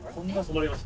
降ります